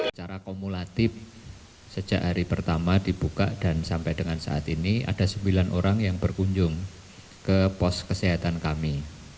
secara kumulatif sejak hari pertama dibuka dan sampai dengan saat ini ada sembilan orang yang berkunjung ke pos kesehatan kami